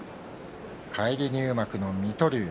返り入幕の水戸龍。